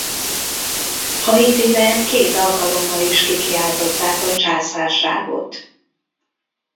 Haitiben két alkalommal is kikiáltották a császárságot.